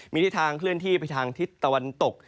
มีทิศทางเคลื่อนที่ไปทางทิศตะวันตก